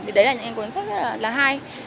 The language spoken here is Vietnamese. thì đấy là những cuốn sách rất là hay